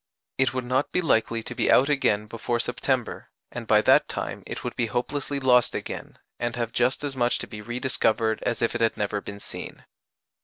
It would not be likely to be out again before September, and by that time it would be hopelessly lost again, and have just as much to be rediscovered as if it had never been seen.